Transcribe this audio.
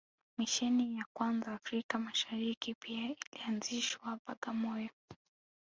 Misheni ya kwanza Afrika Mashariki pia ilianzishwa Bagamoyo